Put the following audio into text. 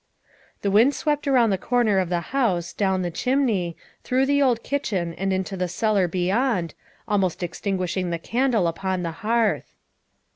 The wind swept around the corner of the house, down the chimney, through the old kitchen and into the cellar beyond, almost extinguishing the* candle upon the hearth.